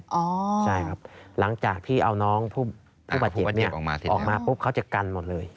ใช่ครับหลังจากที่เอาน้องผู้บาดเจ็บเนี่ยออกมาปุ๊บเขาจะกันหมดเลย